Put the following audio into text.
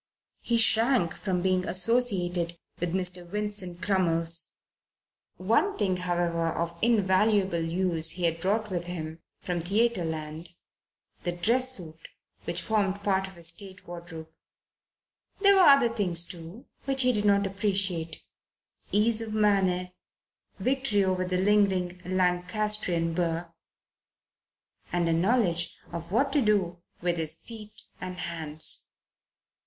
He shrank from being associated with Mr. Vincent Crummles. One thing, however, of invaluable use he had brought with him from Theatreland the dress suit which formed part of his stage wardrobe. There were other things, too, which he did not appreciate ease of manner, victory over the lingering Lancastrian burr, and a knowledge of what to do with his feet and hands.